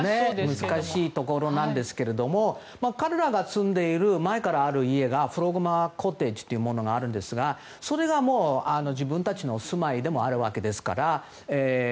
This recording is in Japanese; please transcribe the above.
難しいところなんですが彼らが住んでいる前からある家がフロッグモア・コテージというのがあるんですがそれが、自分たちの住まいでもあるわけですから。